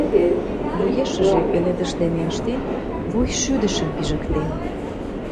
Вуешыже, пеледыш дене ыштен, вуйшӱдышым пижыктен.